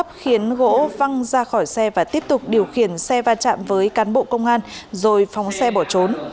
gỗ khiến gỗ văng ra khỏi xe và tiếp tục điều khiển xe va chạm với cán bộ công an rồi phóng xe bỏ trốn